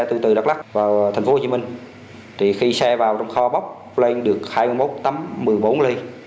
tôi từ đắk lắc vào thành phố hồ chí minh thì khi xe vào trong kho bốc lên được hai mươi một tấm một mươi bốn ly